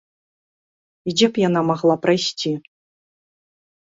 І дзе б яна магла прайсці?